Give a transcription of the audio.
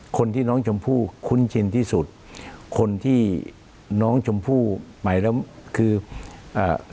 คนที่น้องชมพู่คุ้นชินที่สุดคนที่น้องชมพู่ไปแล้วคืออ่า